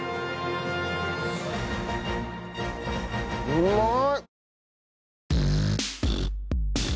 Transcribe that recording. うまい！